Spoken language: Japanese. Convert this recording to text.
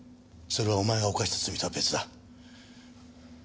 それはお前が犯した罪とは別だ。